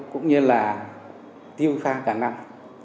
cũng như là tiêu pha cả năm